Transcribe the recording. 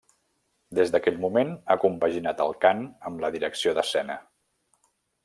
Des d'aquell moment ha compaginat el cant amb la direcció d'escena.